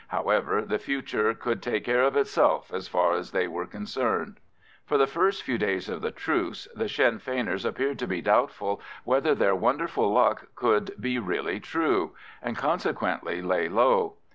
However, the future could take care of itself as far as they were concerned. For the first few days of the Truce the Sinn Feiners appeared to be doubtful whether their wonderful good luck could be really true, and consequently lay low.